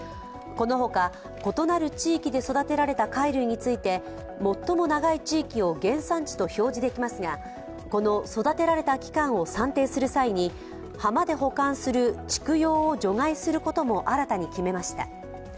このほか、異なる地域で育てられた貝類について最も長い地域を原産地と表示できますが、この育てられた期間を算定する際に浜で保管する蓄養を除外することも新たに決めました。